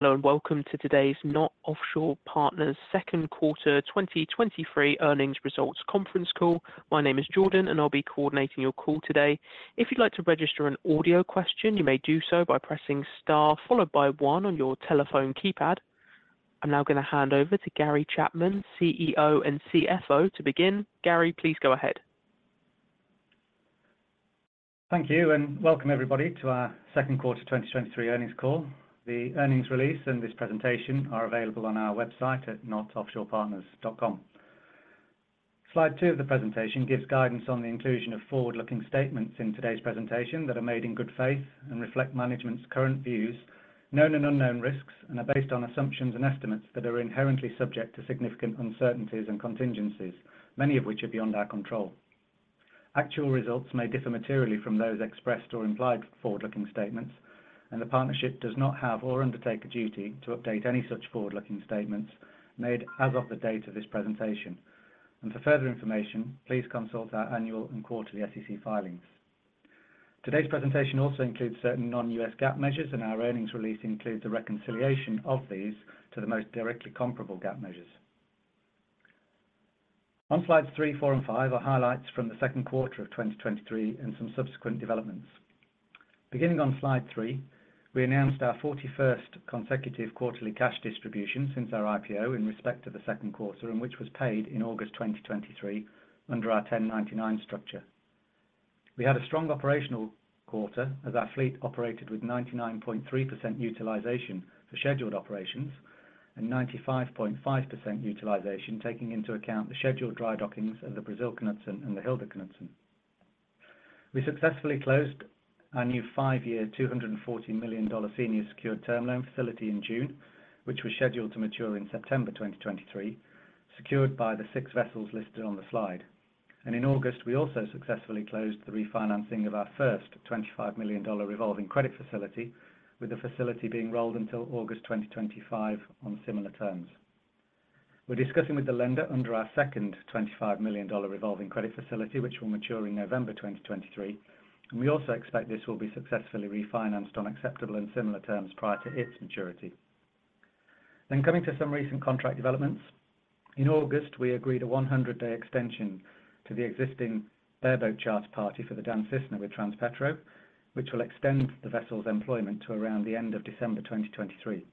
Hello and welcome to today's KNOT Offshore Partners Second Quarter 2023 Earnings Results Conference Call. My name is Jordan, and I'll be coordinating your call today. If you'd like to register an audio question, you may do so by pressing star, followed by one on your telephone keypad. I'm now going to hand over to Gary Chapman, CEO and CFO to begin. Gary, please go ahead. Thank you, and welcome everybody to our Second Quarter 2023 Earnings Call. The earnings release and this presentation are available on our website at knotoffshorepartners.com. Slide two of the presentation gives guidance on the inclusion of forward-looking statements in today's presentation, that are made in good faith and reflect management's current views, known and unknown risks, and are based on assumptions and estimates that are inherently subject to significant uncertainties and contingencies, many of which are beyond our control. Actual results may differ materially from those expressed or implied forward-looking statements, and the partnership does not have or undertake a duty to update any such forward-looking statements made as of the date of this presentation. For further information, please consult our annual and quarterly SEC filings. Today's presentation also includes certain non-U.S. GAAP measures, and our earnings release includes a reconciliation of these to the most directly comparable GAAP measures. On slides three, four, and five, are highlights from the second quarter of 2023 and some subsequent developments. Beginning on slide three, we announced our 41st consecutive quarterly cash distribution since our IPO in respect to the second quarter, and which was paid in August 2023 under our 1099 structure. We had a strong operational quarter as our fleet operated with 99.3% utilization for scheduled operations and 95.5% utilization, taking into account the scheduled dry dockings of the Brasil Knutsen and the Hilde Knutsen. We successfully closed our new five-year, $240 million senior secured term loan facility in June, which was scheduled to mature in September 2023, secured by the six vessels listed on the slide. In August, we also successfully closed the refinancing of our first $25 million revolving credit facility, with the facility being rolled until August 2025 on similar terms. We're discussing with the lender under our second $25 million revolving credit facility, which will mature in November 2023, and we also expect this will be successfully refinanced on acceptable and similar terms prior to its maturity. Coming to some recent contract developments. In August, we agreed a 100-day extension to the existing bareboat charter party for the Dan Cisne with Transpetro, which will extend the vessel's employment to around the end of December 2023.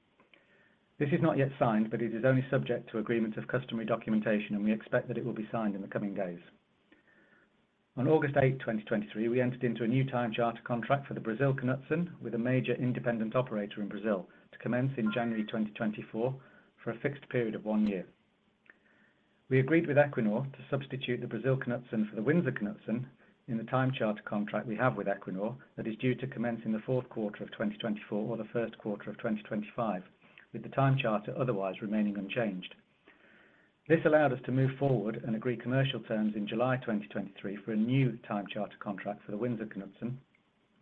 This is not yet signed, but it is only subject to agreement of customary documentation, and we expect that it will be signed in the coming days. On August 8, 2023, we entered into a new time charter contract for the Brasil Knutsen with a major independent operator in Brazil, to commence in January 2024 for a fixed period of one year. We agreed with Equinor to substitute the Brasil Knutsen for the Windsor Knutsen in the time charter contract we have with Equinor, that is due to commence in the fourth quarter of 2024 or the first quarter of 2025, with the time charter otherwise remaining unchanged. This allowed us to move forward and agree commercial terms in July 2023 for a new time charter contract for the Windsor Knutsen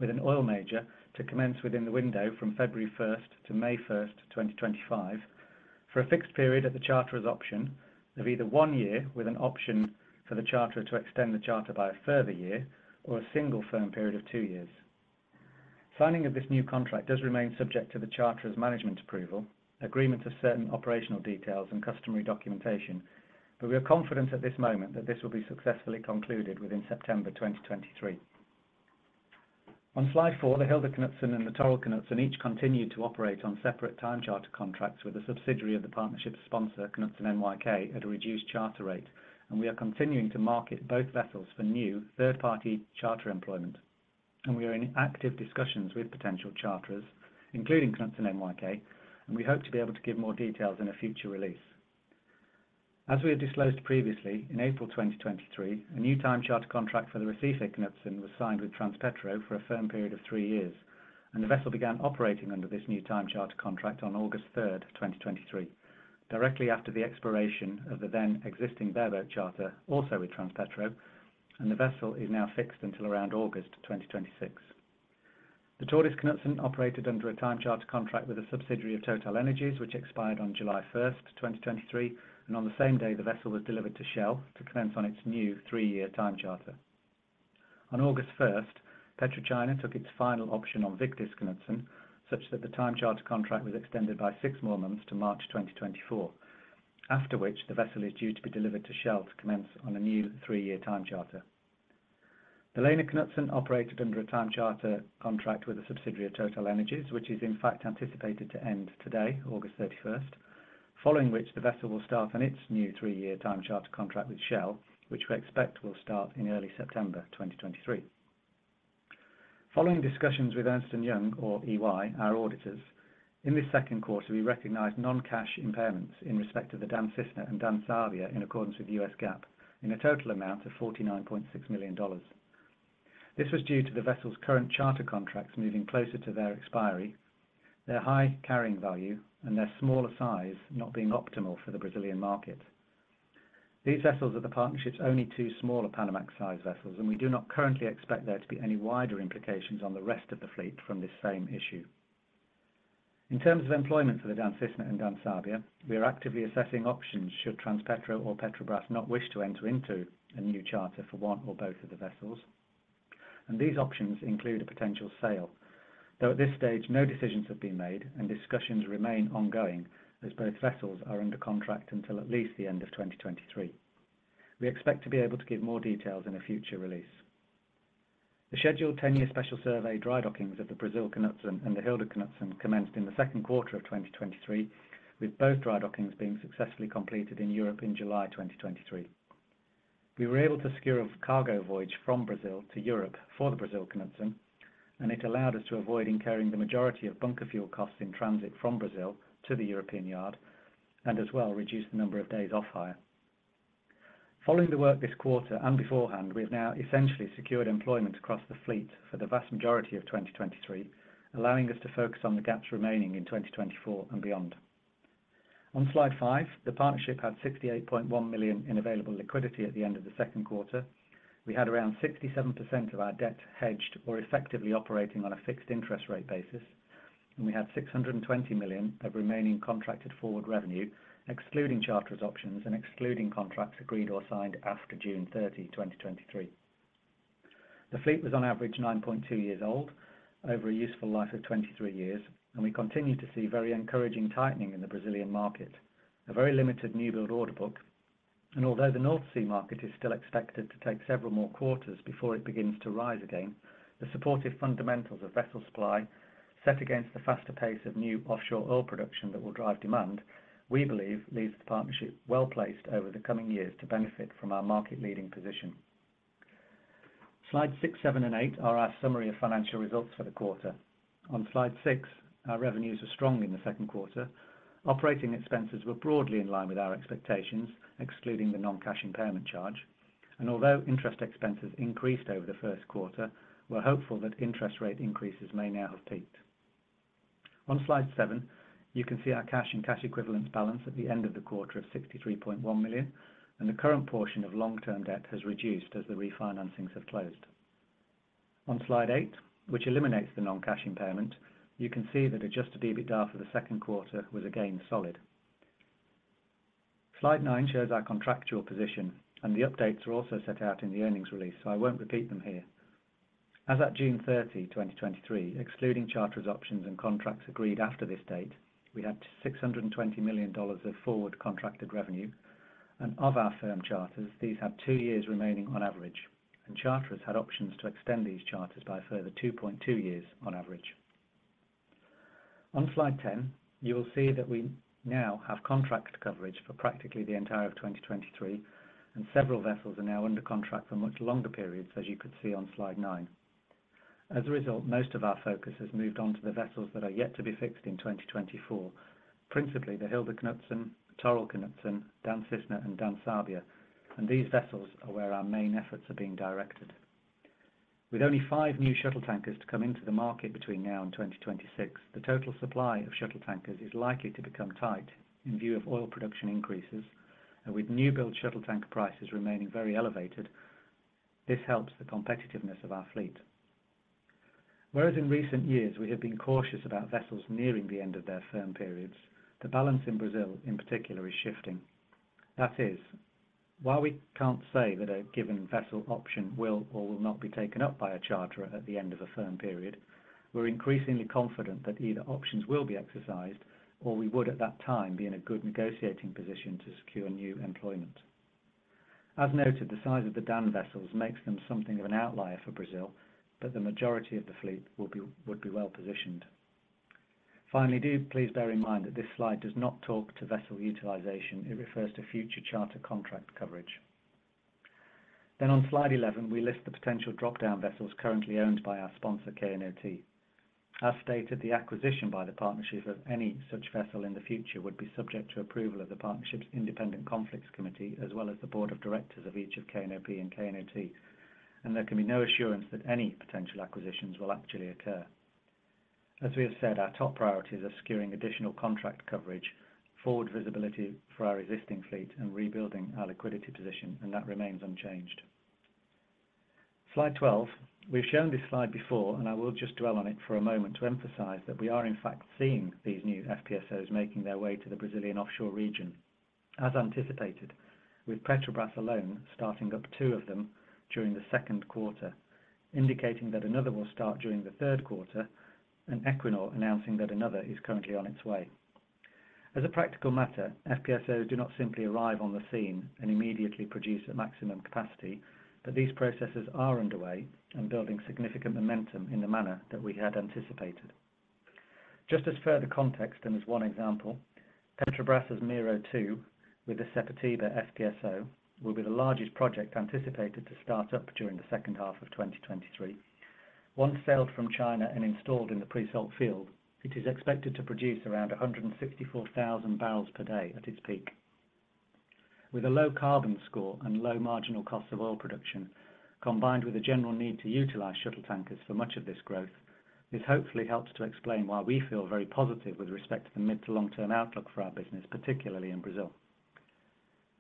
with an oil major to commence within the window from February 1st to May 1st, 2025, for a fixed period at the charterer's option of either one year, with an option for the charterer to extend the charter by a further year, or a single firm period of two years. Signing of this new contract does remain subject to the charterer's management approval, agreement of certain operational details and customary documentation, but we are confident at this moment that this will be successfully concluded within September 2023. On slide four, the Hilde Knutsen and the Torill Knutsen each continued to operate on separate time charter contracts with a subsidiary of the partnership sponsor, Knutsen NYK, at a reduced charter rate, and we are continuing to market both vessels for new third-party charter employment. We are in active discussions with potential charterers, including Knutsen NYK, and we hope to be able to give more details in a future release. As we had disclosed previously, in April 2023, a new time charter contract for the Recife Knutsen was signed with Transpetro for a firm period of three years, and the vessel began operating under this new time charter contract on August 3rd, 2023, directly after the expiration of the then existing bareboat charter, also with Transpetro, and the vessel is now fixed until around August 2026. The Tordis Knutsen operated under a time charter contract with a subsidiary of TotalEnergies, which expired on July 1st, 2023, and on the same day, the vessel was delivered to Shell to commence on its new three-year time charter. On August 1st, PetroChina took its final option on Vigdis Knutsen, such that the time charter contract was extended by six more months to March 2024, after which the vessel is due to be delivered to Shell to commence on a new three-year time charter. The Lena Knutsen operated under a time charter contract with a subsidiary of TotalEnergies, which is in fact anticipated to end today, August 31st, following which, the vessel will start on its new three-year time charter contract with Shell, which we expect will start in early September 2023. Following discussions with Ernst & Young or EY, our auditors, in this second quarter, we recognized non-cash impairments in respect of the Dan Cisne and Dan Sabia, in accordance with the U.S. GAAP, in a total amount of $49.6 million. This was due to the vessel's current charter contracts moving closer to their expiry, their high carrying value, and their smaller size not being optimal for the Brazilian market. These vessels are the partnership's only two smaller Panamax size vessels, and we do not currently expect there to be any wider implications on the rest of the fleet from this same issue. In terms of employment for the Dan Cisne and Dan Sabia, we are actively assessing options should Transpetro or Petrobras not wish to enter into a new charter for one or both of the vessels.... These options include a potential sale, though at this stage, no decisions have been made and discussions remain ongoing, as both vessels are under contract until at least the end of 2023. We expect to be able to give more details in a future release. The scheduled 10-year special survey dry dockings of the Brasil Knutsen and the Hilde Knutsen commenced in the second quarter of 2023, with both dry dockings being successfully completed in Europe in July 2023. We were able to secure a cargo voyage from Brazil to Europe for the Brasil Knutsen, and it allowed us to avoid incurring the majority of bunker fuel costs in transit from Brazil to the European yard, and as well, reduce the number of days off hire. Following the work this quarter and beforehand, we have now essentially secured employment across the fleet for the vast majority of 2023, allowing us to focus on the gaps remaining in 2024 and beyond. On slide five, the partnership had $68.1 million in available liquidity at the end of the second quarter. We had around 67% of our debt hedged or effectively operating on a fixed interest rate basis, and we had $620 million of remaining contracted forward revenue, excluding charterers options and excluding contracts agreed or signed after June 30, 2023. The fleet was on average, 9.2 years old, over a useful life of 23 years, and we continue to see very encouraging tightening in the Brazilian market. A very limited newbuild order book, and although the North Sea market is still expected to take several more quarters before it begins to rise again, the supportive fundamentals of vessel supply set against the faster pace of new offshore oil production that will drive demand. We believe leaves the partnership well-placed over the coming years to benefit from our market-leading position. Slides six, seven, and eight are our summary of financial results for the quarter. On slide six, our revenues were strong in the second quarter. Operating expenses were broadly in line with our expectations, excluding the non-cash impairment charge, and although interest expenses increased over the first quarter, we're hopeful that interest rate increases may now have peaked. On slide seven, you can see our cash and cash equivalents balance at the end of the quarter of $63.1 million, and the current portion of long-term debt has reduced as the re-financings have closed. On slide eight, which eliminates the non-cash impairment, you can see that adjusted EBITDA for the second quarter was again solid. Slide nine shows our contractual position, and the updates are also set out in the earnings release, so I won't repeat them here. As at June 30, 2023, excluding charterers options and contracts agreed after this date, we had $620 million of forward contracted revenue, and of our firm charters, these had two years remaining on average, and charterers had options to extend these charters by a further 2.2 years on average. On slide ten, you will see that we now have contract coverage for practically the entire of 2023, and several vessels are now under contract for much longer periods, as you could see on slide nine. As a result, most of our focus has moved on to the vessels that are yet to be fixed in 2024. Principally, the Hilde Knutsen, Torill Knutsen, Dan Cisne, and Dan Sabia, and these vessels are where our main efforts are being directed. With only five new shuttle tankers to come into the market between now and 2026, the total supply of shuttle tankers is likely to become tight in view of oil production increases, and with newbuild shuttle tanker prices remaining very elevated, this helps the competitiveness of our fleet. Whereas in recent years, we have been cautious about vessels nearing the end of their firm periods, the balance in Brazil, in particular, is shifting. That is, while we can't say that a given vessel option will or will not be taken up by a charterer at the end of a firm period, we're increasingly confident that either options will be exercised or we would, at that time, be in a good negotiating position to secure new employment. As noted, the size of the Dan vessels makes them something of an outlier for Brazil, but the majority of the fleet would be well-positioned. Finally, do please bear in mind that this slide does not talk to vessel utilization. It refers to future charter contract coverage. Then on slide 11, we list the potential drop-down vessels currently owned by our sponsor, KNOT. As stated, the acquisition by the partnership of any such vessel in the future would be subject to approval of the partnership's independent conflicts committee, as well as the board of directors of each of KNOP and KNOT, and there can be no assurance that any potential acquisitions will actually occur. As we have said, our top priorities are securing additional contract coverage, forward visibility for our existing fleet, and rebuilding our liquidity position, and that remains unchanged. Slide 12. We've shown this slide before, and I will just dwell on it for a moment to emphasize that we are in fact seeing these new FPSOs making their way to the Brazilian offshore region. As anticipated, with Petrobras alone starting up two of them during the second quarter, indicating that another will start during the third quarter, and Equinor announcing that another is currently on its way. As a practical matter, FPSOs do not simply arrive on the scene and immediately produce at maximum capacity, but these processes are underway and building significant momentum in the manner that we had anticipated. Just as further context, and as one example, Petrobras's Mero-2, with the Sepetiba FPSO, will be the largest project anticipated to start up during the second half of 2023. Once sailed from China and installed in the pre-salt field, it is expected to produce around 164,000 barrels per day at its peak. With a low carbon score and low marginal cost of oil production, combined with a general need to utilize shuttle tankers for much of this growth, this hopefully helps to explain why we feel very positive with respect to the mid to long-term outlook for our business, particularly in Brazil.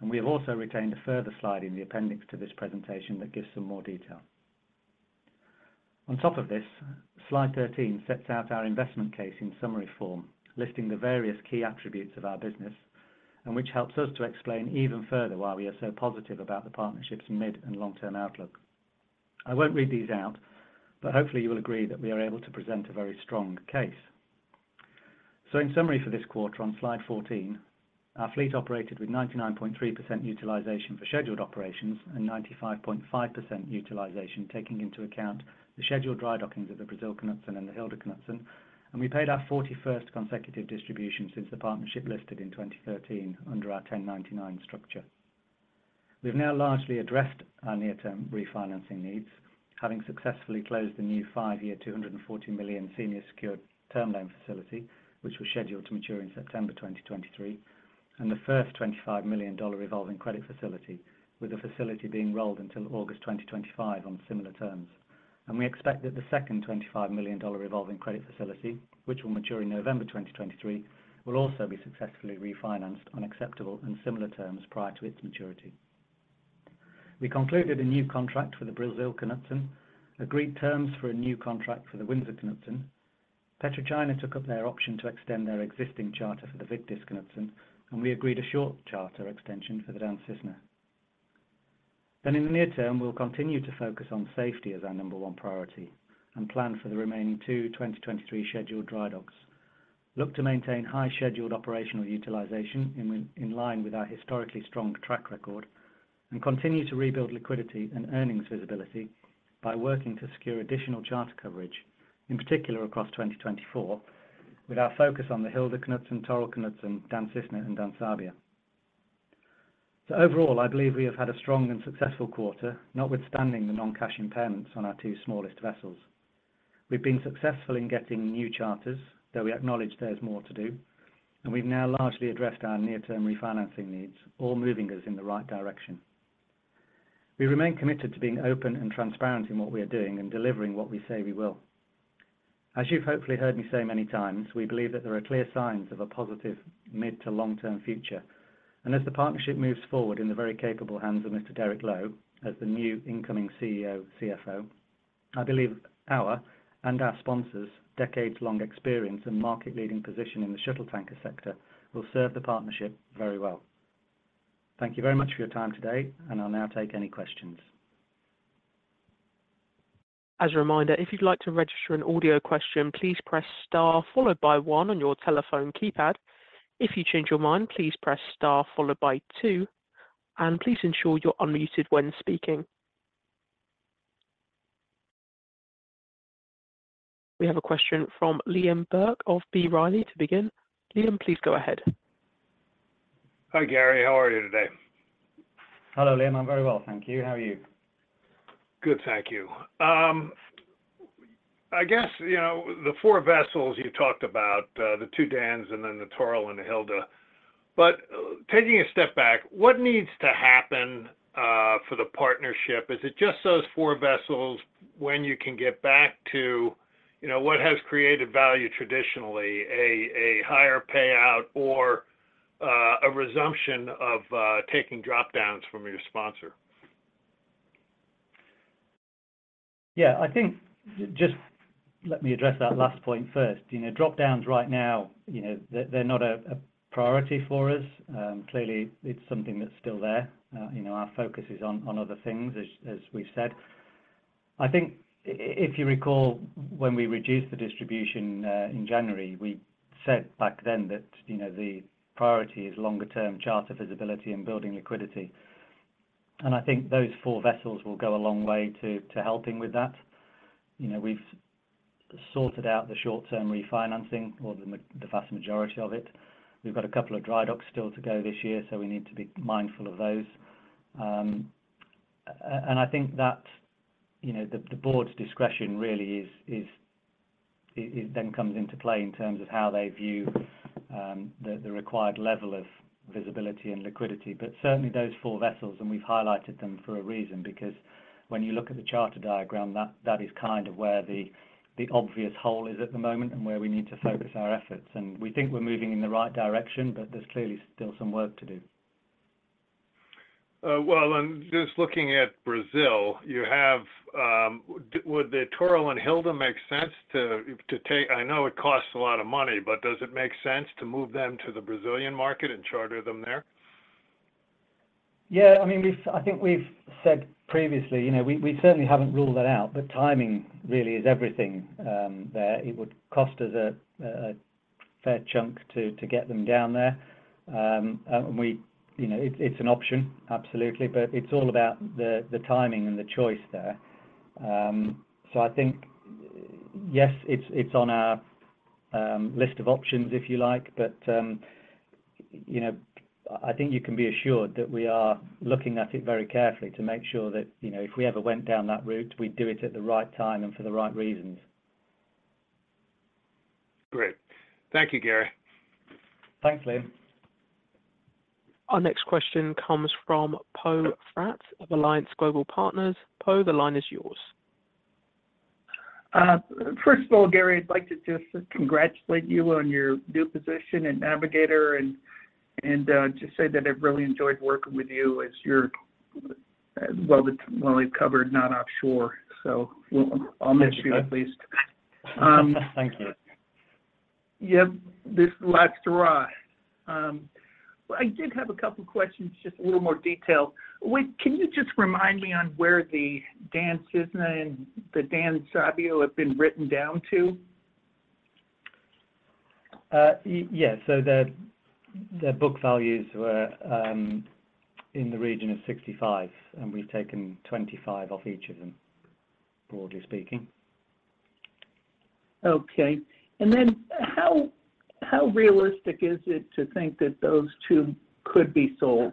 We have also retained a further slide in the appendix to this presentation that gives some more detail. On top of this, slide 13 sets out our investment case in summary form, listing the various key attributes of our business, and which helps us to explain even further why we are so positive about the partnership's mid and long-term outlook. I won't read these out, but hopefully you will agree that we are able to present a very strong case. In summary for this quarter, on slide 14, our fleet operated with 99.3% utilization for scheduled operations and 95.5% utilization, taking into account the scheduled dry dockings of the Brasil Knutsen and the Hilde Knutsen, and we paid our 41st consecutive distribution since the partnership listed in 2013 under our 1099 structure. We've now largely addressed our near-term refinancing needs, having successfully closed the new five-year, $240 million senior secured term loan facility, which was scheduled to mature in September 2023, and the first $25 million revolving credit facility, with the facility being rolled until August 2025 on similar terms. And we expect that the second $25 million revolving credit facility, which will mature in November 2023, will also be successfully refinanced on acceptable and similar terms prior to its maturity. We concluded a new contract for the Brasil Knutsen, agreed terms for a new contract for the Windsor Knutsen. PetroChina took up their option to extend their existing charter for the Vigdis Knutsen, and we agreed a short charter extension for the Dan Cisne. Then in the near term, we'll continue to focus on safety as our number one priority and plan for the remaining two 2023 scheduled dry docks. Look to maintain high scheduled operational utilization in line with our historically strong track record, and continue to rebuild liquidity and earnings visibility by working to secure additional charter coverage, in particular, across 2024, with our focus on the Hilde Knutsen, Torill Knutsen, Dan Cisne, and Dan Sabia. So overall, I believe we have had a strong and successful quarter, notwithstanding the non-cash impairments on our two smallest vessels. We've been successful in getting new charters, though we acknowledge there's more to do, and we've now largely addressed our near-term refinancing needs, all moving us in the right direction. We remain committed to being open and transparent in what we are doing and delivering what we say we will. As you've hopefully heard me say many times, we believe that there are clear signs of a positive mid to long-term future. As the partnership moves forward in the very capable hands of Mr. Derek Lowe, as the new incoming CEO, CFO, I believe our and our sponsors' decades-long experience and market-leading position in the shuttle tanker sector will serve the partnership very well. Thank you very much for your time today, and I'll now take any questions. As a reminder, if you'd like to register an audio question, please press star followed by one on your telephone keypad. If you change your mind, please press star followed by two, and please ensure you're unmuted when speaking. We have a question from Liam Burke of B. Riley to begin. Liam, please go ahead. Hi, Gary. How are you today? Hello, Liam. I'm very well, thank you. How are you? Good, thank you. I guess, you know, the four vessels you talked about, the two Dans and then the Torill and the Hilde. But taking a step back, what needs to happen for the partnership? Is it just those four vessels when you can get back to, you know, what has created value traditionally, a higher payout or a resumption of taking drop-downs from your sponsor? Yeah, I think just let me address that last point first. Drop-downs right now, you know, they're not a priority for us. Clearly, it's something that's still there. You know, our focus is on other things, as we've said. I think if you recall, when we reduced the distribution in January, we said back then that, you know, the priority is longer-term charter visibility and building liquidity. And I think those four vessels will go a long way to helping with that. You know, we've sorted out the short-term refinancing the vast majority of it. We've got a couple of dry docks still to go this year, so we need to be mindful of those. And I think that, you know, the board's discretion really is it then comes into play in terms of how they view the required level of visibility and liquidity. But certainly, those four vessels, and we've highlighted them for a reason, because when you look at the charter diagram, that is kind of where the obvious hole is at the moment and where we need to focus our efforts. And we think we're moving in the right direction, but there's clearly still some work to do. Well, just looking at Brazil, you have. Would the Torill and Hilde make sense to take? I know it costs a lot of money, but does it make sense to move them to the Brazilian market and charter them there? Yeah, I mean, we've I think we've said previously, you know, we certainly haven't ruled that out, but timing really is everything, there. It would cost us a fair chunk to get them down there. And we, you know, it's an option, absolutely, but it's all about the timing and the choice there. So I think, yes, it's on our list of options, if you like, but, you know, I think you can be assured that we are looking at it very carefully to make sure that, you know, if we ever went down that route, we'd do it at the right time and for the right reasons. Great. Thank you, Gary. Thanks, Liam. Our next question comes from Poe Fratt of Alliance Global Partners. Poe, the line is yours. First of all, Gary, I'd like to just congratulate you on your new position in Navigator and just say that I've really enjoyed working with you as your well-covered, not offshore, so I'll miss you at least. Thank you. Yep, this last dry. Well, I did have a couple questions, just a little more detail. Wait, can you just remind me on where the Dan Cisne and the Dan Sabia have been written down to? Yes, so their, their book values were in the region of $65, and we've taken $25 off each of them, broadly speaking. Okay, and then how, how realistic is it to think that those two could be sold?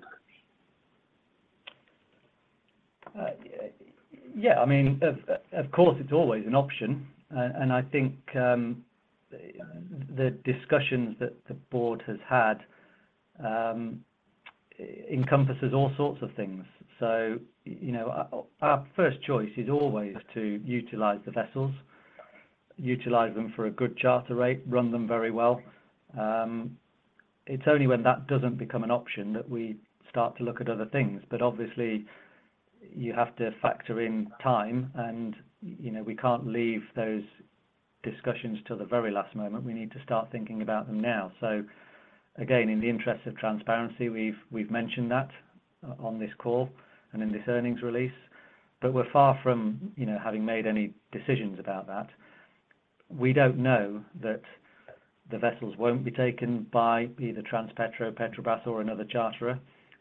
Yeah, I mean, of course, it's always an option. And I think the discussions that the board has had encompasses all sorts of things. So, you know, our first choice is always to utilize the vessels, utilize them for a good charter rate, run them very well. It's only when that doesn't become an option that we start to look at other things, but obviously, you have to factor in time, and, you know, we can't leave those discussions till the very last moment. We need to start thinking about them now. So again, in the interest of transparency, we've mentioned that on this call and in this earnings release, but we're far from, you know, having made any decisions about that. We don't know that the vessels won't be taken by either Transpetro, Petrobras, or another charterer.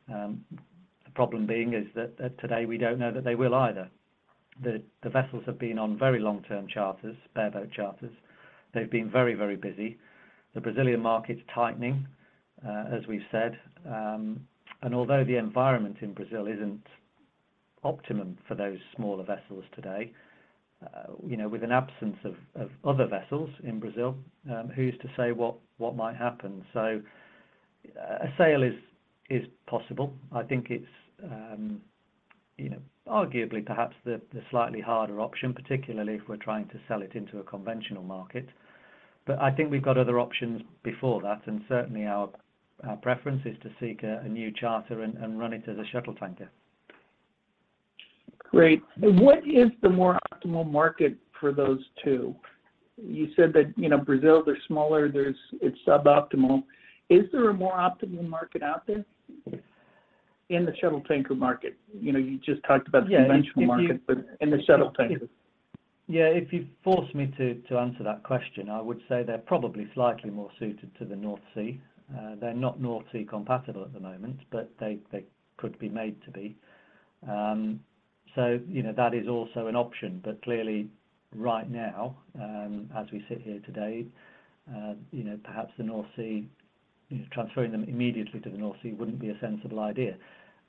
The problem being is that, that today, we don't know that they will either. The, the vessels have been on very long-term charters, bareboat charters. They've been very, very busy. The Brazilian market's tightening, as we've said, and although the environment in Brazil isn't optimum for those smaller vessels today, you know, with an absence of, of other vessels in Brazil, who's to say what, what might happen? So a, a sale is, is possible. I think it's, you know, arguably perhaps the, the slightly harder option, particularly if we're trying to sell it into a conventional market. But I think we've got other options before that, and certainly our, our preference is to seek a, a new charter and, and run it as a shuttle tanker. Great. What is the more optimal market for those two? You said that, you know, Brazil, they're smaller, there's, it's suboptimal. Is there a more optimal market out there in the shuttle tanker market? You know, you just talked about- Yeah, if you- the conventional market, but in the shuttle tanker. Yeah, if you force me to answer that question, I would say they're probably slightly more suited to the North Sea. They're not North Sea compatible at the moment, but they could be made to be. So you know, that is also an option, but clearly right now, as we sit here today, you know, perhaps the North Sea, you know, transferring them immediately to the North Sea wouldn't be a sensible idea.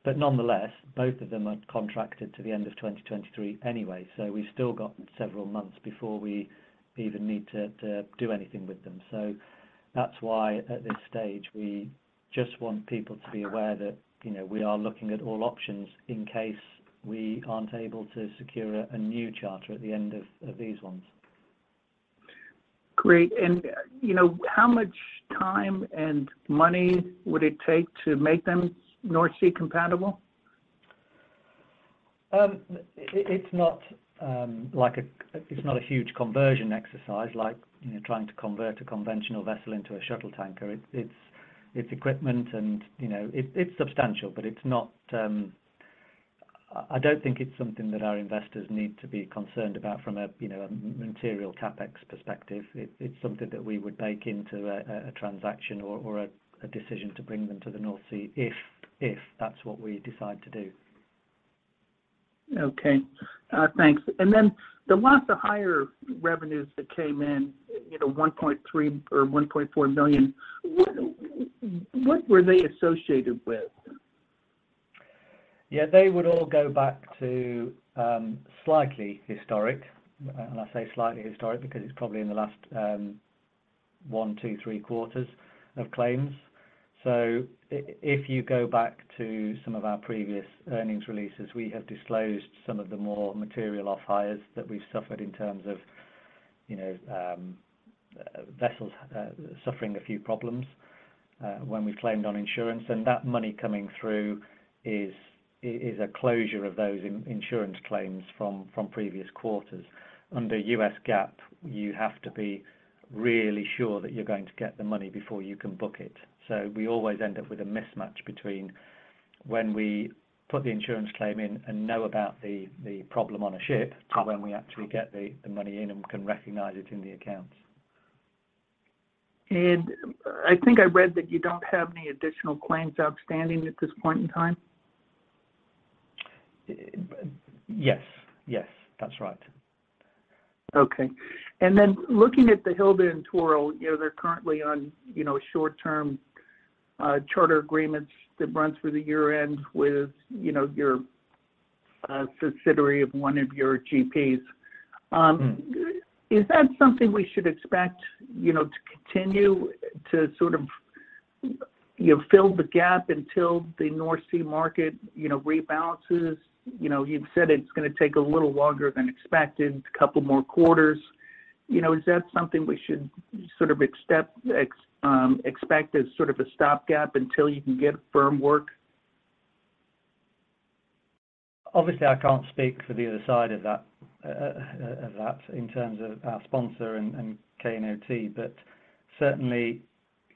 But nonetheless, both of them are contracted to the end of 2023 anyway, so we've still got several months before we even need to do anything with them. So that's why, at this stage, we just want people to be aware that, you know, we are looking at all options in case we aren't able to secure a new charter at the end of these ones. Great. You know, how much time and money would it take to make them North Sea compatible? It's not like a... It's not a huge conversion exercise like, you know, trying to convert a conventional vessel into a shuttle tanker. It's equipment and, you know, it's substantial, but it's not, I don't think it's something that our investors need to be concerned about from a, you know, a material CapEx perspective. It's something that we would bake into a transaction or a decision to bring them to the North Sea, if that's what we decide to do. Okay, thanks. Then, the last of higher revenues that came in, you know, $1.3 or 1.4 million, what were they associated with? Yeah, they would all go back to slightly historic, and I say slightly historic because it's probably in the last one, two, three quarters of claims. So if you go back to some of our previous earnings releases, we have disclosed some of the more material off-hires that we've suffered in terms of, you know, vessels suffering a few problems when we claimed on insurance, and that money coming through is a closure of those insurance claims from previous quarters. Under U.S. GAAP, you have to be really sure that you're going to get the money before you can book it. So we always end up with a mismatch between when we put the insurance claim in and know about the problem on a ship, to when we actually get the money in and we can recognize it in the accounts. I think I read that you don't have any additional claims outstanding at this point in time? Yes. Yes, that's right. Okay. And then looking at the Hilde and Torill, you know, they're currently on, you know, short-term charter agreements that runs through the year-end with, you know, your subsidiary of one of your GPs. Mm. Is that something we should expect, you know, to continue to sort of, you know, fill the gap until the North Sea market, you know, rebalances? You know, you've said it's gonna take a little longer than expected, a couple more quarters. You know, is that something we should sort of accept, expect as sort of a stopgap until you can get firm work? Obviously, I can't speak for the other side of that in terms of our sponsor and KNOT, but certainly,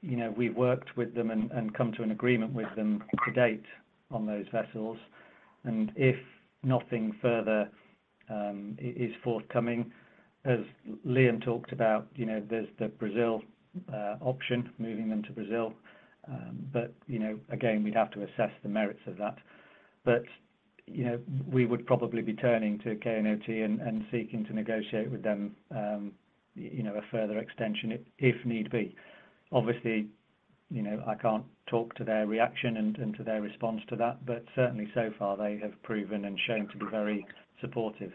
you know, we've worked with them and come to an agreement with them to date on those vessels. And if nothing further is forthcoming, as Liam talked about, you know, there's the Brazil option, moving them to Brazil. But, you know, again, we'd have to assess the merits of that. But, you know, we would probably be turning to KNOT and seeking to negotiate with them, you know, a further extension if need be. Obviously, you know, I can't talk to their reaction and to their response to that, but certainly so far, they have proven and shown to be very supportive.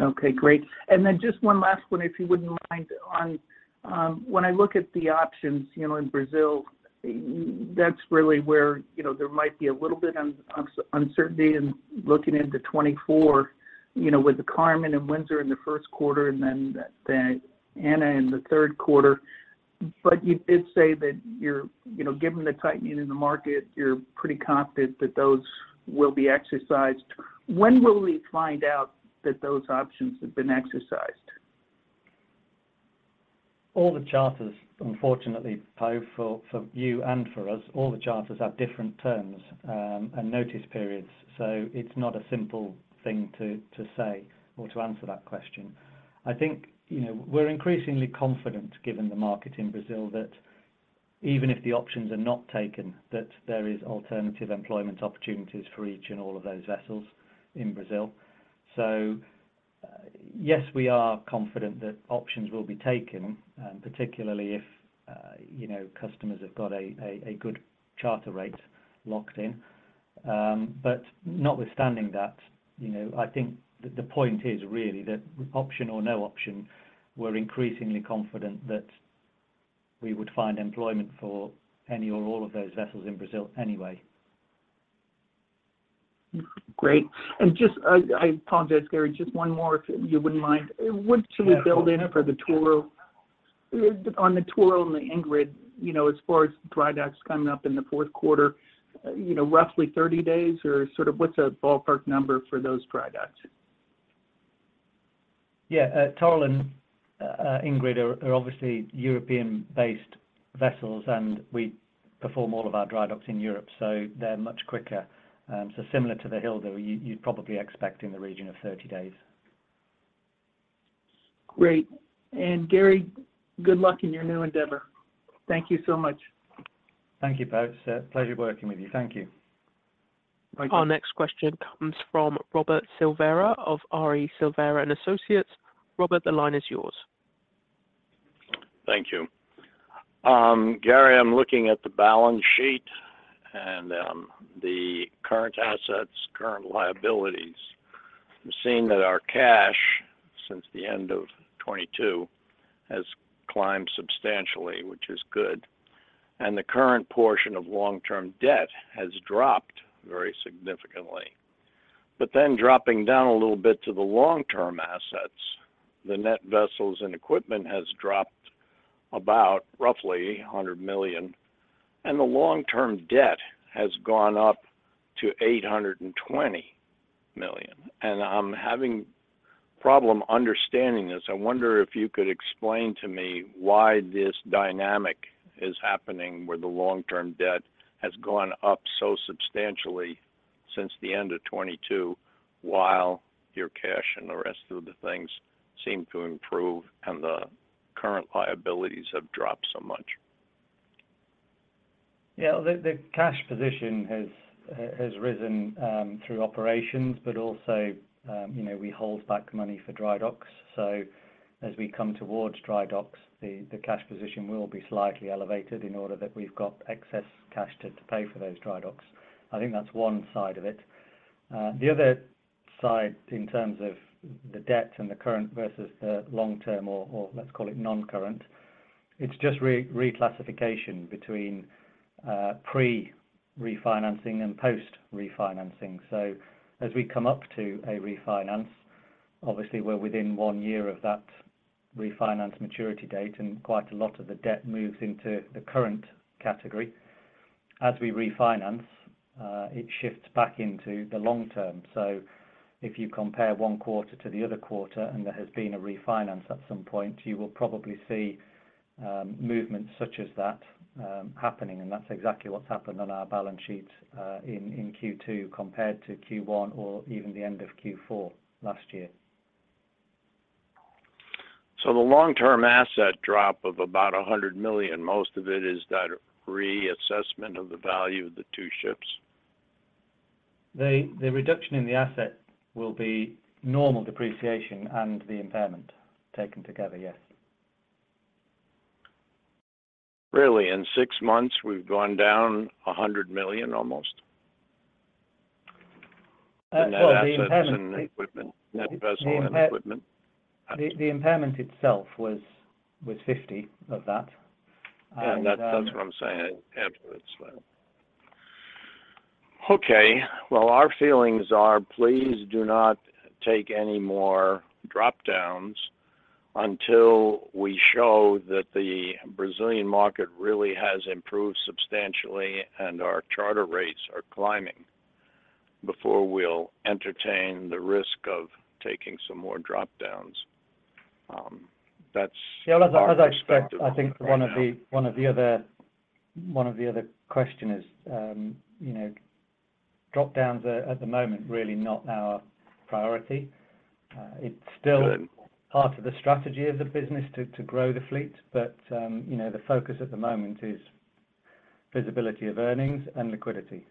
Okay, great. And then just one last one, if you wouldn't mind. On when I look at the options, you know, in Brazil, that's really where, you know, there might be a little bit of uncertainty in looking into 2024, you know, with the Carmen and Windsor in the first quarter, and then the Anna in the third quarter. But you did say that you're you know, given the tightening in the market, you're pretty confident that those will be exercised. When will we find out that those options have been exercised? All the charters, unfortunately, Poe, for you and for us, all the charters have different terms and notice periods, so it's not a simple thing to say or to answer that question. I think, you know, we're increasingly confident, given the market in Brazil, that even if the options are not taken, that there is alternative employment opportunities for each and all of those vessels in Brazil. So yes, we are confident that options will be taken, and particularly if, you know, customers have got a good charter rate locked in. But notwithstanding that, you know, I think the point is really that option or no option, we're increasingly confident that we would find employment for any or all of those vessels in Brazil anyway. Great. Just, I apologize, Gary, just one more, if you wouldn't mind. Yeah. What should we build in for the Torill? On the Torill and the Ingrid, you know, as far as dry docks coming up in the fourth quarter, you know, roughly 30 days, or sort of what's a ballpark number for those dry docks? Yeah, Torill and Ingrid are obviously European-based vessels, and we perform all of our dry docks in Europe, so they're much quicker. So similar to the Hilde, you'd probably expect in the region of 30 days. Great. Gary, good luck in your new endeavor. Thank you so much. Thank you, Poe. It's a pleasure working with you. Thank you. Our next question comes from Robert Silvera of R.E. Silvera & Associates. Robert, the line is yours. Thank you. Gary, I'm looking at the balance sheet and, the current assets, current liabilities. I'm seeing that our cash, since the end of 2022, has climbed substantially, which is good, and the current portion of long-term debt has dropped very significantly. But then dropping down a little bit to the long-term assets, the net vessels and equipment has dropped about roughly $100 million, and the long-term debt has gone up to $820 million. And I'm having problem understanding this. I wonder if you could explain to me why this dynamic is happening, where the long-term debt has gone up so substantially since the end of 2022, while your cash and the rest of the things seem to improve, and the current liabilities have dropped so much? Yeah, the cash position has risen through operations, but also, you know, we hold back money for dry docks. So as we come towards dry docks, the cash position will be slightly elevated in order that we've got excess cash to pay for those dry docks. I think that's one side of it. The other side, in terms of the debt and the current versus the long-term, or let's call it non-current, it's just reclassification between pre-refinancing and post-refinancing. So as we come up to a refinance, obviously we're within one year of that refinance maturity date, and quite a lot of the debt moves into the current category. As we refinance, it shifts back into the long term. If you compare one quarter to the other quarter, and there has been a refinance at some point, you will probably see movements such as that happening, and that's exactly what's happened on our balance sheet in Q2, compared to Q1 or even the end of Q4 last year. The long-term asset drop of about $100 million, most of it is that reassessment of the value of the two ships? The reduction in the asset will be normal depreciation and the impairment taken together, yes. Really? In six months, we've gone down $100 million, almost? Well, the impairment- The net assets and equipment, net vessel and equipment. The impairment itself was $50 of that. Yeah, that's, that's what I'm saying, impairment. Okay, well, our feelings are, please do not take any more drop-downs... until we show that the Brazilian market really has improved substantially and our charter rates are climbing, before we'll entertain the risk of taking some more drop-downs, that's our perspective right now. Yeah, well, as I expect, I think one of the other question is, you know, drop-downs are, at the moment, really not our priority. It's still- Good part of the strategy of the business to grow the fleet, but you know, the focus at the moment is visibility of earnings and liquidity.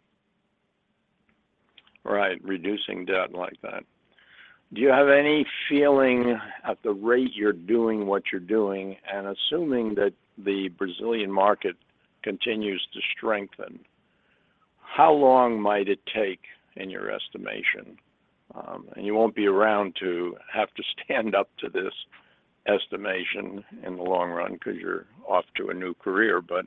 Right, reducing debt like that. Do you have any feeling at the rate you're doing what you're doing, and assuming that the Brazilian market continues to strengthen, how long might it take in your estimation? And you won't be around to have to stand up to this estimation in the long run because you're off to a new career, but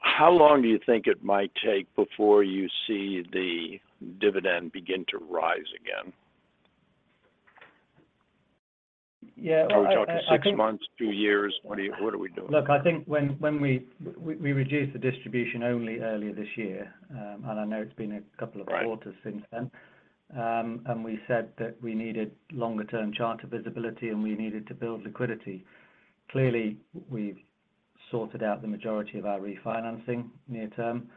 how long do you think it might take before you see the dividend begin to rise again? Yeah, well, I think- Are we talking six months, two years? What are we doing? Look, I think when we reduced the distribution only earlier this year, and I know it's been a couple of- Right Quarters since then. We said that we needed longer-term charter visibility, and we needed to build liquidity. Clearly, we've sorted out the majority of our refinancing near term.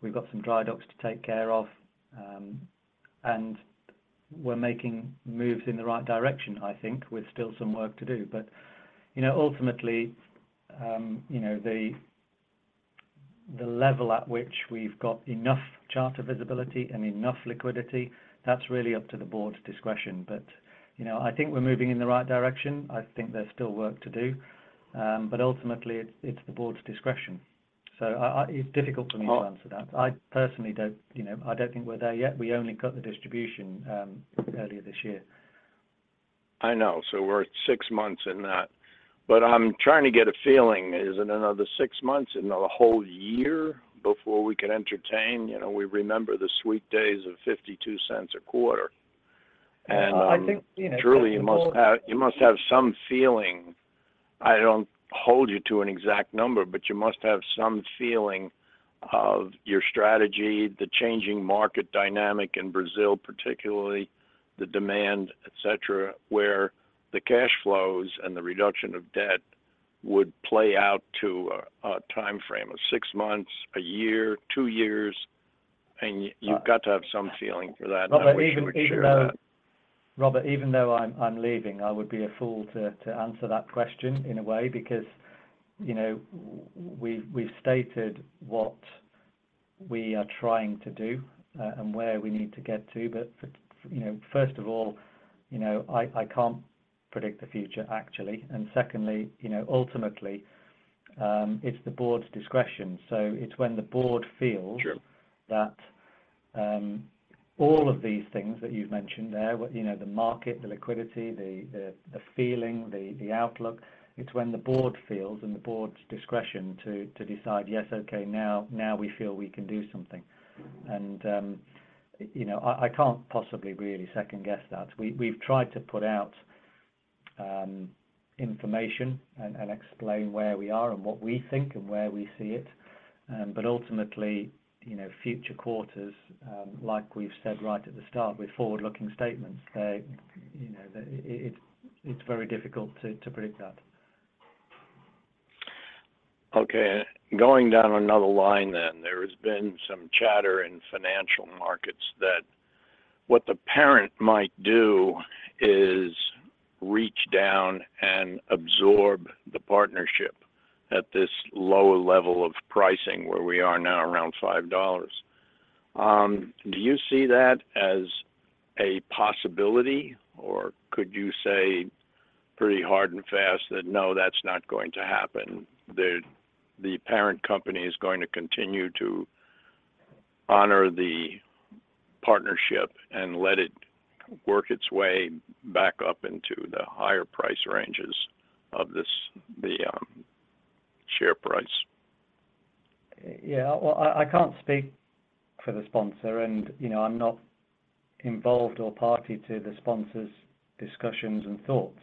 We've got some dry docks to take care of, and we're making moves in the right direction, I think, with still some work to do. But, you know, ultimately, you know, the level at which we've got enough charter visibility and enough liquidity, that's really up to the board's discretion. But, you know, I think we're moving in the right direction. I think there's still work to do, but ultimately, it's the board's discretion. So, it's difficult for me to answer that. Well- I personally don't, you know, I don't think we're there yet. We only cut the distribution earlier this year. I know, so we're six months in that. But I'm trying to get a feeling, is it another six months, another whole year before we can entertain? You know, we remember the sweet days of $0.52 a quarter. And, I think, you know, the board- Truly, you must have, you must have some feeling. I don't hold you to an exact number, but you must have some feeling of your strategy, the changing market dynamic in Brazil, particularly the demand, et cetera, where the cash flows and the reduction of debt would play out to a, a timeframe of six months, a year, two years, and you- Uh- You've got to have some feeling for that, and I wish you would share that. Robert, even though I'm leaving, I would be a fool to answer that question in a way, because, you know, we've stated what we are trying to do, and where we need to get to. But, you know, first of all, you know, I can't predict the future, actually, and secondly, you know, ultimately, it's the board's discretion. So it's when the board feels- Sure... that all of these things that you've mentioned there, what, you know, the market, the liquidity, the feeling, the outlook, it's when the board feels and the board's discretion to decide, "Yes, okay, now we feel we can do something." And, you know, I can't possibly really second-guess that. We, we've tried to put out information and explain where we are and what we think and where we see it. But ultimately, you know, future quarters, like we've said right at the start, with forward-looking statements, they, you know, it, it's very difficult to predict that. Okay. Going down another line then, there has been some chatter in financial markets that what the parent might do is reach down and absorb the partnership at this lower level of pricing, where we are now around $5. Do you see that as a possibility, or could you say pretty hard and fast that, "No, that's not going to happen?" The parent company is going to continue to honor the partnership and let it work its way back up into the higher price ranges of this, the share price. Yeah, well, I can't speak for the sponsor, and, you know, I'm not involved or party to the sponsor's discussions and thoughts.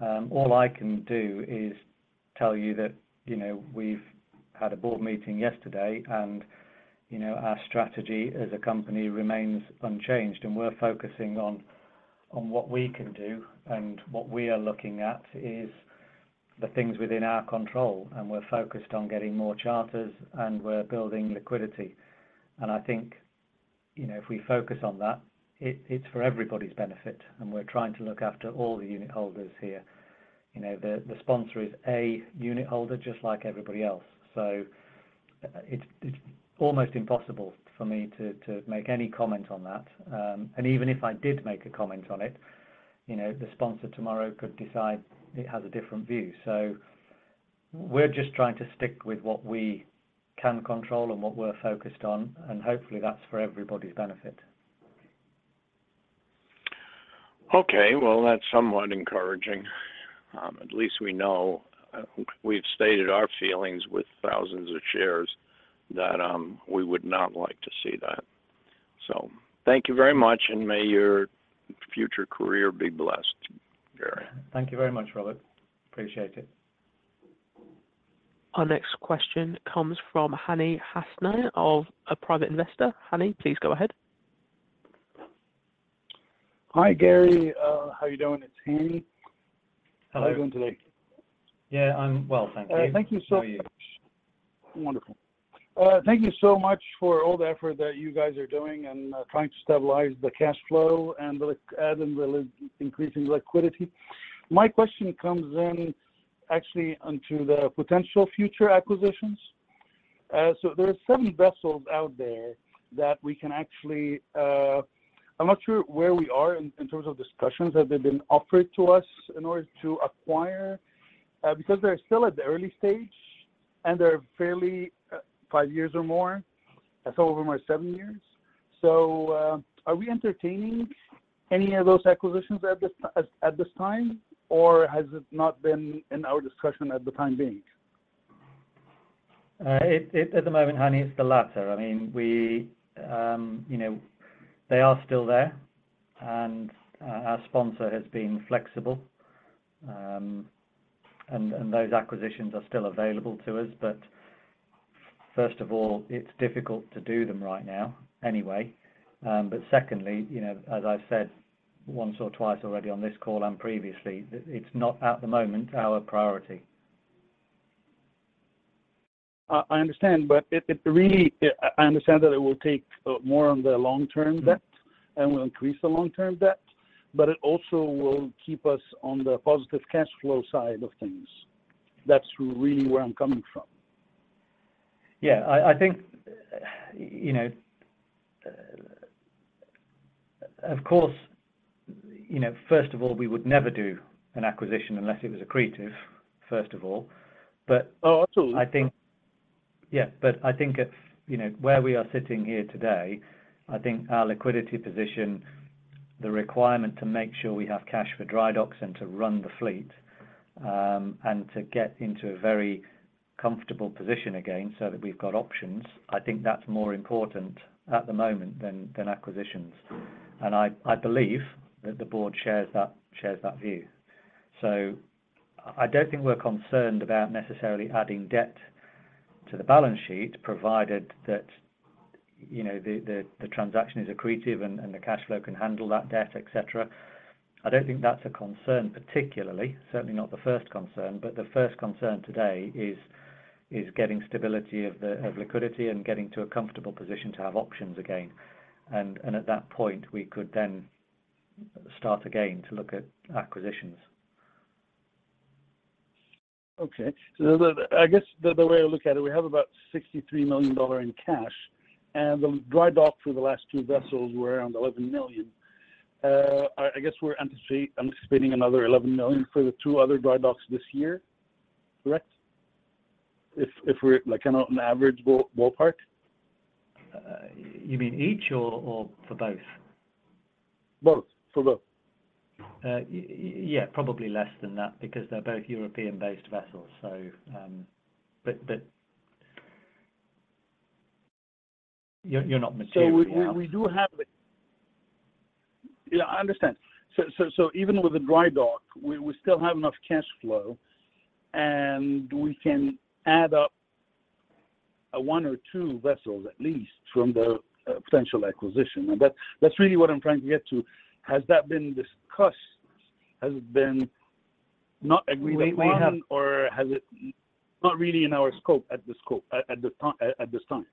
All I can do is tell you that, you know, we've had a board meeting yesterday, and, you know, our strategy as a company remains unchanged, and we're focusing on what we can do. And what we are looking at is the things within our control, and we're focused on getting more charters, and we're building liquidity. And I think, you know, if we focus on that, it's for everybody's benefit, and we're trying to look after all the unitholders here. You know, the sponsor is a unitholder, just like everybody else. So it's almost impossible for me to make any comment on that. Even if I did make a comment on it, you know, the sponsor tomorrow could decide it has a different view. So we're just trying to stick with what we can control and what we're focused on, and hopefully, that's for everybody's benefit. Okay, well, that's somewhat encouraging. At least we know we've stated our feelings with thousands of shares that we would not like to see that.... So thank you very much, and may your future career be blessed, Gary. Thank you very much, Robert. Appreciate it. Our next question comes from Hani Hassena of a private investor. Hani, please go ahead. Hi, Gary. How are you doing? It's Hani. Hello. How are you doing today? Yeah, I'm well, thank you. Thank you so- How are you? Wonderful. Thank you so much for all the effort that you guys are doing and trying to stabilize the cash flow and the increasing liquidity. My question comes in actually onto the potential future acquisitions. So there are some vessels out there that we can actually, I'm not sure where we are in terms of discussions, have they been offered to us in order to acquire? Because they're still at the early stage, and they're fairly five years or more, so over my seven years. So, are we entertaining any of those acquisitions at this time, or has it not been in our discussion at the time being? At the moment, Hani, it's the latter. I mean, we, you know, they are still there, and our sponsor has been flexible. And those acquisitions are still available to us, but first of all, it's difficult to do them right now, anyway. But secondly, you know, as I've said once or twice already on this call and previously, it's not, at the moment, our priority. I understand, but it really, I understand that it will take more on the long-term debt- Mm-hmm... and will increase the long-term debt, but it also will keep us on the positive cash flow side of things. That's really where I'm coming from. Yeah, I think, you know, of course, you know, first of all, we would never do an acquisition unless it was accretive, first of all. But- Oh, absolutely I think, yeah, but I think it, you know, where we are sitting here today, I think our liquidity position, the requirement to make sure we have cash for dry docks and to run the fleet, and to get into a very comfortable position again so that we've got options, I think that's more important at the moment than, than acquisitions. And I, I believe that the board shares that, shares that view. So I don't think we're concerned about necessarily adding debt to the balance sheet, provided that, you know, the, the, the transaction is accretive and, and the cash flow can handle that debt, et cetera. I don't think that's a concern, particularly, certainly not the first concern, but the first concern today is, is getting stability of the, of liquidity and getting to a comfortable position to have options again. And at that point, we could then start again to look at acquisitions. Okay. So, I guess, the way I look at it, we have about $63 million in cash, and the dry dock for the last two vessels were around $11 million. I guess we're anticipating another $11 million for the two other dry docks this year, correct? If we're, like, on an average ballpark. You mean each or for both? Both. For both. Yeah, probably less than that because they're both European-based vessels. So, but you're not material, yeah. So we do have the... Yeah, I understand. So even with the dry dock, we still have enough cash flow, and we can add up one or two vessels, at least, from the potential acquisition. And that's really what I'm trying to get to. Has that been discussed? Has it been not agreed upon? We have- or has it not really in our scope at this time?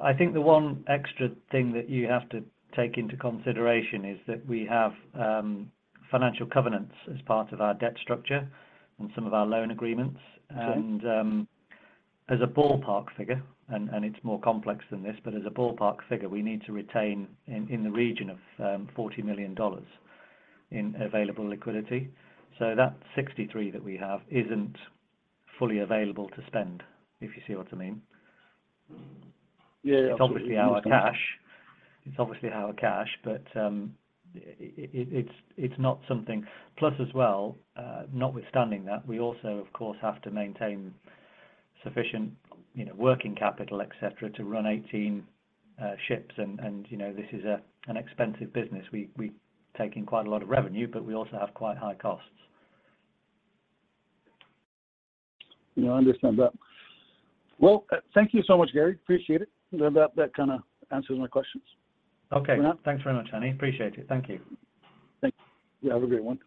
I think the one extra thing that you have to take into consideration is that we have financial covenants as part of our debt structure and some of our loan agreements. Sure. As a ballpark figure, it's more complex than this, but as a ballpark figure, we need to retain in the region of $40 million in available liquidity. So that $63 that we have isn't fully available to spend, if you see what I mean. Yeah, yeah. It's obviously our cash. It's obviously our cash, but it's not something... Plus, as well, notwithstanding that, we also, of course, have to maintain sufficient, you know, working capital, et cetera, to run 18 ships and, you know, this is an expensive business. We take in quite a lot of revenue, but we also have quite high costs. Yeah, I understand that. Well, thank you so much, Gary. Appreciate it. That kinda answers my questions. Okay. Yeah. Thanks very much, Hani. Appreciate it. Thank you. Thank you. You have a great one.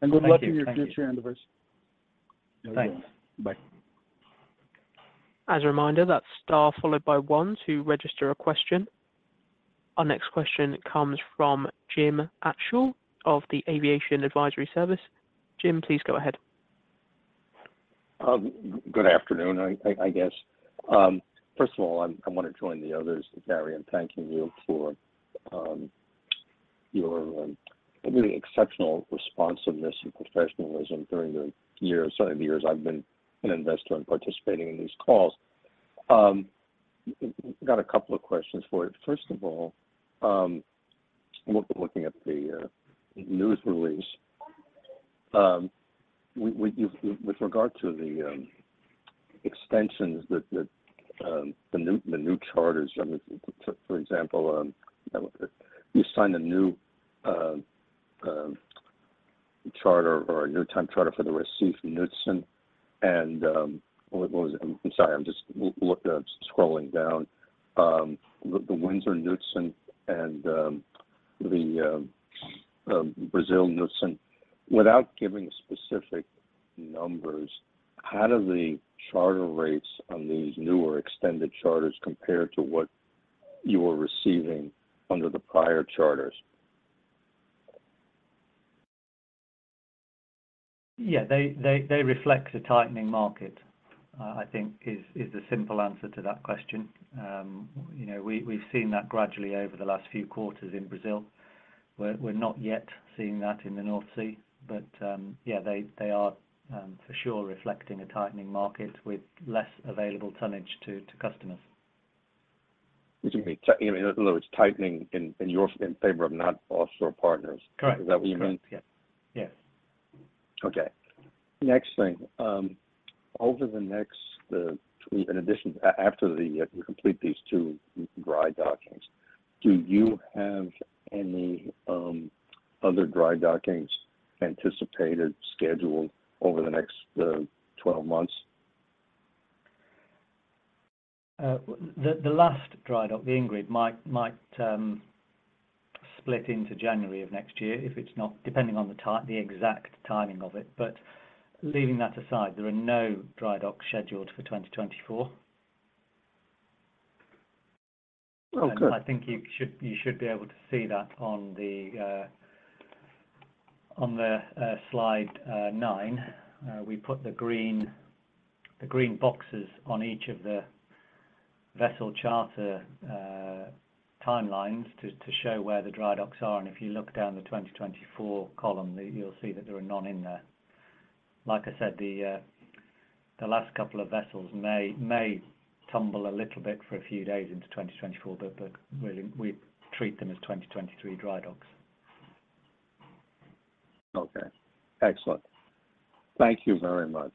Thank you. Good luck in your future endeavors. Thanks. Bye. As a reminder, that's star followed by one to register a question. Our next question comes from Jim Altschul of the Aviation Advisory Service. Jim, please go ahead. Good afternoon, I guess. First of all, I wanna join the others, Gary, in thanking you for your really exceptional responsiveness and professionalism during the years, seven years I've been an investor and participating in these calls. I've got a couple of questions for you. First of all, looking at the news release, with regard to the extensions that the new, the new charters, I mean, for example, you signed a new charter or a new time charter for the Windsor Knutsen from Knutsen, and, what was it? I'm sorry, I'm just looking at scrolling down. The Windsor Knutsen and the Brasil Knutsen. Without giving specific numbers, how do the charter rates on these newer extended charters compare to what you were receiving under the prior charters? Yeah. They reflect a tightening market, I think is the simple answer to that question. You know, we've seen that gradually over the last few quarters in Brazil. We're not yet seeing that in the North Sea. But, yeah, they are for sure reflecting a tightening market with less available tonnage to customers. You mean, you know, in other words, tightening in, in your in favor of KNOT Offshore Partners. Correct. Is that what you mean? Yes. Yes. Okay. Next thing. Over the next, in addition, after you complete these two dry dockings, do you have any other dry dockings anticipated scheduled over the next 12 months? The last dry dock, the Ingrid, might split into January of next year, if it's not, depending on the time, the exact timing of it. But leaving that aside, there are no dry docks scheduled for 2024. Oh, good. And I think you should, you should be able to see that on the, on the, slide nine. We put the green, the green boxes on each of the vessel charter, timelines to, to show where the dry docks are, and if you look down the 2024 column, you, you'll see that there are none in there. Like I said, the, the last couple of vessels may, may tumble a little bit for a few days into 2024, but, but we, we treat them as 2023 dry docks. Okay. Excellent. Thank you very much.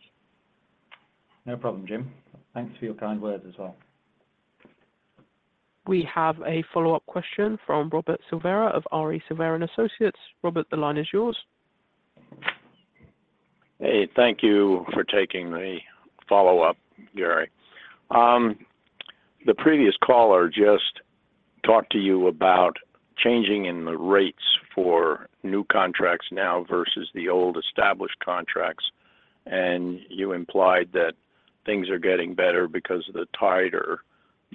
No problem, Jim. Thanks for your kind words as well. We have a follow-up question from Robert Silvera of R.E. Silvera & Associates. Robert, the line is yours. Hey, thank you for taking the follow-up, Gary. The previous caller just talked to you about changing in the rates for new contracts now versus the old established contracts, and you implied that things are getting better because of the tighter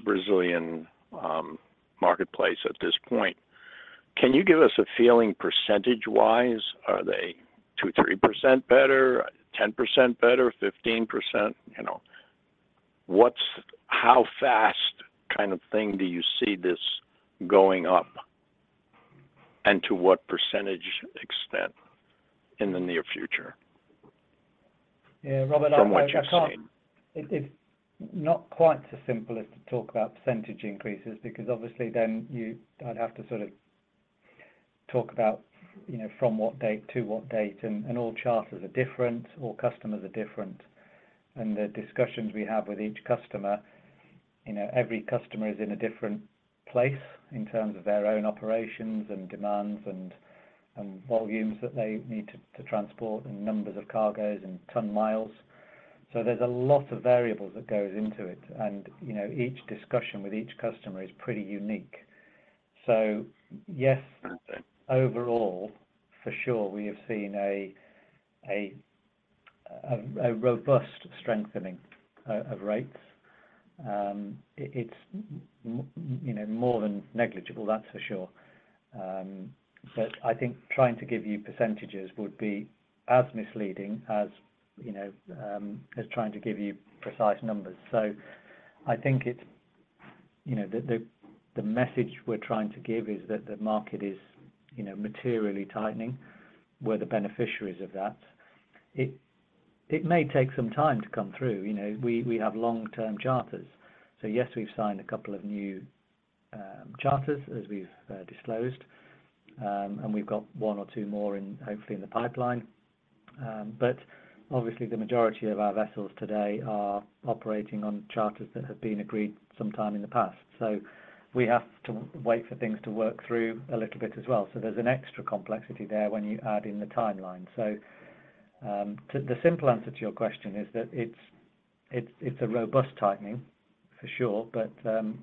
Brazilian marketplace at this point. Can you give us a feeling percentage-wise, are they 2%, 3% better, 10% better, 15%, you know? What's—how fast kind of thing do you see this going up, and to what percentage extent in the near future? Yeah, Robert, I can't- From what you're seeing. It's not quite so simple as to talk about percentage increases, because obviously, then you, I'd have to sort of talk about, you know, from what date to what date, and all charters are different, all customers are different. And the discussions we have with each customer, you know, every customer is in a different place in terms of their own operations and demands and volumes that they need to transport, and numbers of cargoes, and ton miles. So there's a lot of variables that goes into it, and, you know, each discussion with each customer is pretty unique. So yes, overall, for sure, we have seen a robust strengthening of rates. It's, you know, more than negligible, that's for sure. But I think trying to give you percentages would be as misleading as, you know, as trying to give you precise numbers. So I think it's, you know, the message we're trying to give is that the market is, you know, materially tightening. We're the beneficiaries of that. It may take some time to come through, you know. We have long-term charters. So yes, we've signed a couple of new charters as we've disclosed, and we've got one or two more in, hopefully, in the pipeline. But obviously, the majority of our vessels today are operating on charters that have been agreed sometime in the past, so we have to wait for things to work through a little bit as well. So there's an extra complexity there when you add in the timeline. So, to the simple answer to your question is that it's a robust tightening, for sure, but,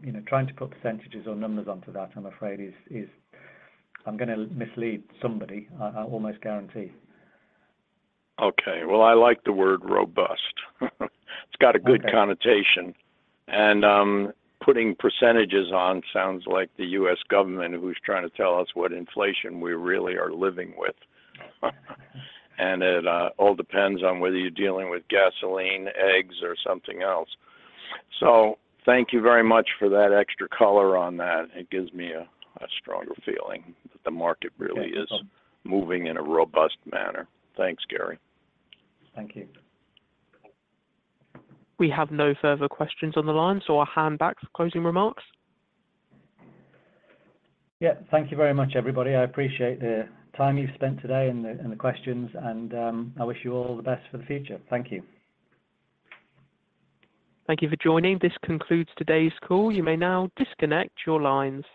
you know, trying to put percentages or numbers onto that, I'm afraid is... I'm gonna mislead somebody, I almost guarantee. Okay. Well, I like the word robust. It's got a good connotation. Okay. Putting percentages on sounds like the U.S. government, who's trying to tell us what inflation we really are living with. And it all depends on whether you're dealing with gasoline, eggs, or something else. So thank you very much for that extra color on that. It gives me a stronger feeling that the market- Yeah, sure really is moving in a robust manner. Thanks, Gary. Thank you. We have no further questions on the line, so I'll hand back for closing remarks. Yeah. Thank you very much, everybody. I appreciate the time you've spent today and the questions, and I wish you all the best for the future. Thank you. Thank you for joining. This concludes today's call. You may now disconnect your lines.